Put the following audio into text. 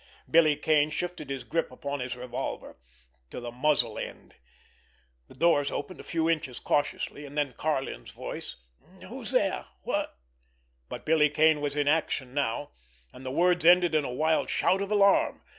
Billy Kane shifted his grip upon his revolver—to the muzzle end. The doors opened a few inches cautiously. And then Karlin's voice: "Who's there? What— " But Billy Kane was in action now, and the words ended in a wild shout of alarm.